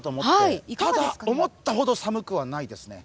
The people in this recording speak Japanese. ただ、思ったほど寒くはないですね。